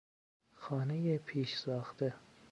خانهی پیشساخته